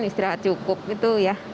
istirahat cukup gitu ya